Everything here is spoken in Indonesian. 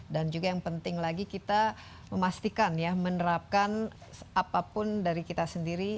dan juga yang penting lagi kita memastikan ya menerapkan apapun dari kita sendiri